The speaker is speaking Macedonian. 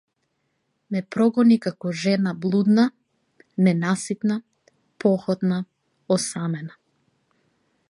Ме прогони како жена блудна, ненаситна, похотна, осамена.